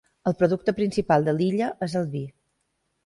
El producte principal de l'illa és el vi.